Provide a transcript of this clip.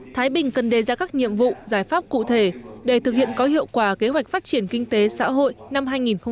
thái bình cần đề ra các nhiệm vụ giải pháp cụ thể để thực hiện có hiệu quả kế hoạch phát triển kinh tế xã hội năm hai nghìn hai mươi